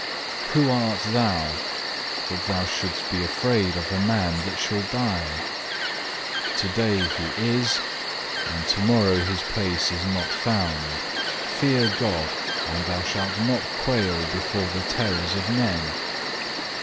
3. "Who art thou, that thou shouldst be afraid of a man that shall die? To day he is, and to morrow his place is not found. Fear God and thou shalt not quail before the terrors of men.